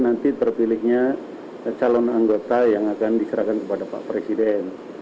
nanti terpilihnya calon anggota yang akan diserahkan kepada pak presiden